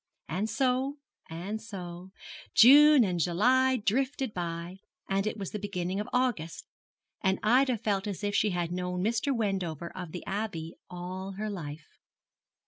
And so, and so, June and July drifted by, and it was the beginning of August, and Ida felt as if she had known Mr. Wendover of the Abbey all her life.